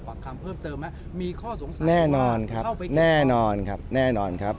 คำเพิ่มเติมไหมมีข้อสงสัยแน่นอนครับแน่นอนครับแน่นอนครับ